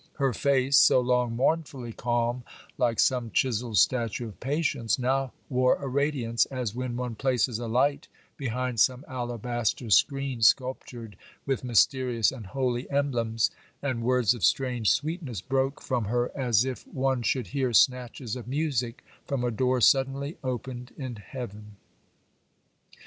Her face, so long mournfully calm, like some chiselled statue of Patience, now wore a radiance, as when one places a light behind some alabaster screen sculptured with mysterious and holy emblems, and words of strange sweetness broke from her, as if one should hear snatches of music from a door suddenly opened in heaven.